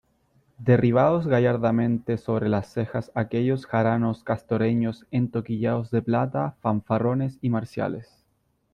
derribados gallardamente sobre las cejas aquellos jaranos castoreños entoquillados de plata , fanfarrones y marciales .